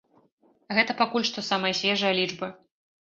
Гэта пакуль што самая свежая лічба.